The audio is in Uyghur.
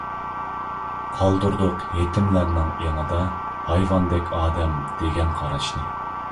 قالدۇردۇق يېتىملەرنىڭ ئېڭىدا، ھايۋاندەك ئادەم دېگەن قاراشنى.